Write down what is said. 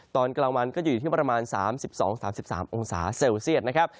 ตอนกลางวันก็จะอยู่ที่ประมาณ๓๒๓๓องศาเซลเซียตนะครับ